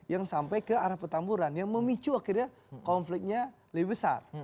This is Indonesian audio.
yang sampai ke arah petamburan yang memicu akhirnya konfliknya lebih besar